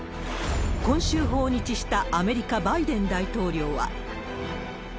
今週訪日したアメリカ、バイデン大統領は。